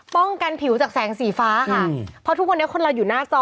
กันผิวจากแสงสีฟ้าค่ะเพราะทุกวันนี้คนเราอยู่หน้าจอ